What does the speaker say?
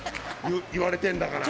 言われてんだから！